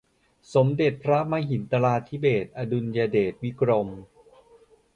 สมเด็จพระมหิตลาธิเบศร์ อดุลยเดชวิกรม